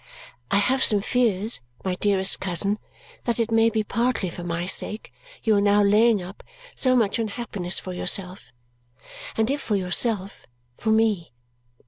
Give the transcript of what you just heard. I have some fears, my dearest cousin, that it may be partly for my sake you are now laying up so much unhappiness for yourself and if for yourself, for me.